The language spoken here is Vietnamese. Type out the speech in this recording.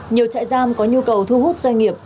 nhiều trại giam có nhu cầu thu hút doanh nghiệp